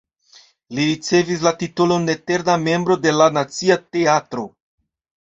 Li ricevis la titolon eterna membro de la Nacia Teatro.